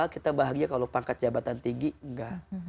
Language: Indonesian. kita bahagia kalau pangkat jabatan tinggi enggak